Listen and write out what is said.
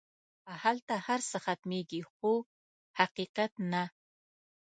هلته هر څه ختمېږي خو حقیقت نه.